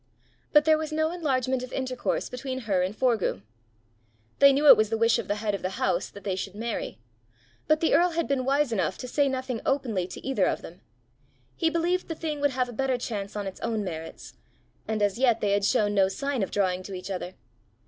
But there was no enlargement of intercourse between her and Forgue. They knew it was the wish of the head of the house that they should marry, but the earl had been wise enough to say nothing openly to either of them: he believed the thing would have a better chance on its own merits; and as yet they had shown no sign of drawing to each other.